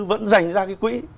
vẫn giành ra cái quỹ